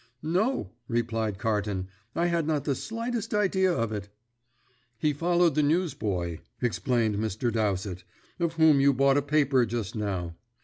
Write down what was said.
"No," replied Carton, "I had not the slightest idea of it." "He followed the newsboy," explained Mr. Dowsett, "of whom you bought a paper just now.